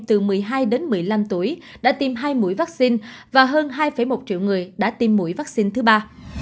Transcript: từ một mươi hai đến một mươi năm tuổi đã tiêm hai mũi vắc xin và hơn hai một triệu người đã tiêm mũi vắc xin thứ ba